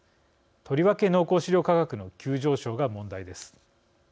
とりわけ濃厚飼料価格の急上昇が問題です。